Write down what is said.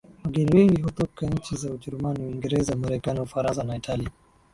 Wageni wengi hutoka nchi za Ujerumani Uingereza Marekani Ufaransa na Italia